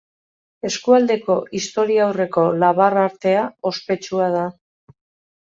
Eskualdeko historiaurreko labar-artea ospetsua da.